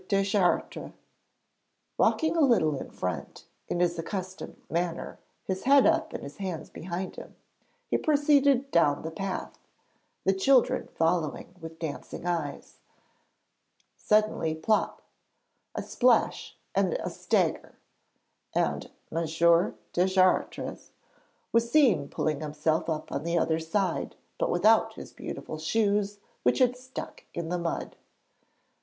Deschartres. Walking a little in front, in his accustomed manner, his head up, his hands behind him, he proceeded down the path, the children following with dancing eyes. Suddenly plop, a splash, and a stagger! and M. Deschartres was seen pulling himself up on the other side, but without his beautiful shoes, which had stuck in the mud.